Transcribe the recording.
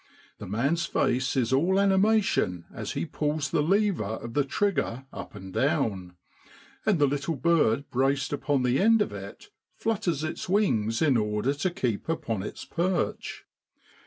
The man's face is all animation as he pulls the lever of the trigger up and down ; and the little bird braced upon the end of it flutters its wings in order to keep upon its perch.